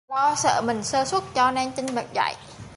Lo sợ mình sơ suất cho nên trinh bật dậy